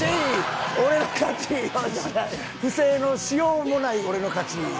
不正のしようもない俺の勝ち。